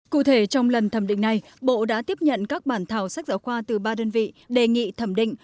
cụ thể trong lần thẩm định này bộ đã tiếp nhận các bản thảo sách giáo khoa từ ba đơn vị đề nghị thẩm định